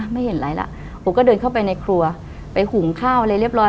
ไม่เห็นอะไรล่ะผมก็เดินเข้าไปในครัวไปหุงข้าวอะไรเรียบร้อย